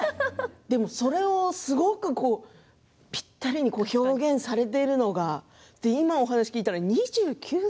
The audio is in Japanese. それを、すごくぴったりに表現されているのが今、お話聞いたら２９歳。